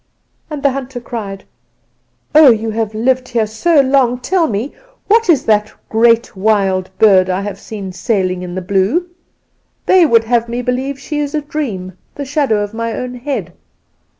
"And the hunter cried: "'Oh, you who have lived here so long, tell me, what is that great wild bird I have seen sailing in the blue? They would have me believe she is a dream; the shadow of my own head.